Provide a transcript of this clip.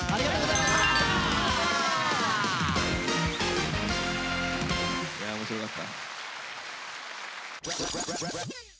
いや面白かった。